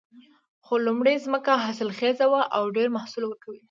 خو لومړۍ ځمکه حاصلخیزه وه او ډېر محصول ورکوي